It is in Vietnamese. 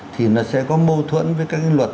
thì nó sẽ có mâu thuẫn với các cái luật